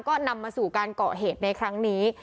ก็นำมาสู่การเกาะเหตุในครั้งนี้